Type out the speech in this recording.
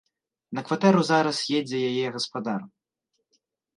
На кватэру зараз едзе яе гаспадар.